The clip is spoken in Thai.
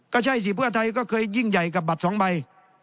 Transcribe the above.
ก็ใช่สิเพื่อไทยก็เคยยิ่งใหญ่กับบัตรสองใบ